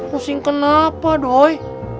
pusing kenapa doi